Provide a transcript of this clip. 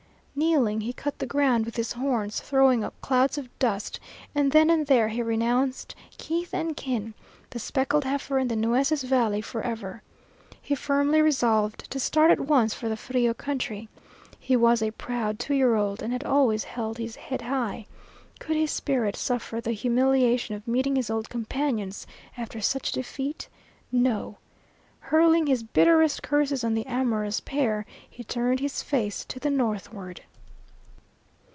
Kneeling, he cut the ground with his horns, throwing up clouds of dust, and then and there he renounced kith and kin, the speckled heifer and the Nueces valley forever. He firmly resolved to start at once for the Frio country. He was a proud two year old and had always held his head high. Could his spirit suffer the humiliation of meeting his old companions after such defeat? No! Hurling his bitterest curses on the amorous pair, he turned his face to the northward.